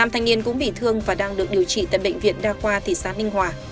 năm thanh niên cũng bị thương và đang được điều trị tại bệnh viện đa khoa thị xã ninh hòa